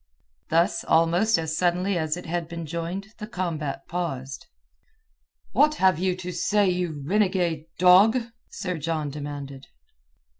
Thus almost as suddenly as it had been joined the combat paused. "What have you to say, you renegade dog?" Sir John demanded.